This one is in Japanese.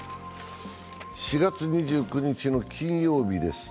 ４月２９日の金曜日です。